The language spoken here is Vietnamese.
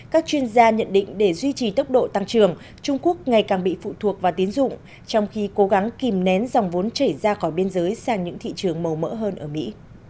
các chuyên gia nhận định để duy trì tốc độ tăng trưởng trung quốc ngày càng bị phụ thuộc vào tiến dụng trong khi cố gắng kìm nén dòng vốn chảy ra khỏi biên giới sang những thị trường màu mỡ hơn ở mỹ